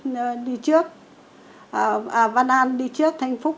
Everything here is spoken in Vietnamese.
người ta cứ nói vui là văn an đi trước thanh phúc